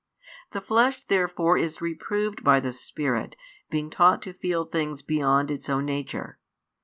The flesh therefore is reproved by the Spirit, being taught to feel things beyond its own nature.